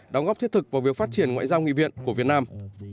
đóng góp thiết thực vào việc phát triển ngoại giao nghị viện của việt nam